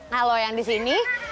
halo yang di sini